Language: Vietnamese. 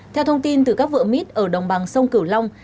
theo thông tin từ các vợ mít ở đồng bằng sông cửu long